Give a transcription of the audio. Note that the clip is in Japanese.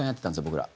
僕ら。